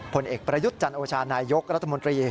ผลเอกประยุทธ์จันโอชานายกรัฐมนตรี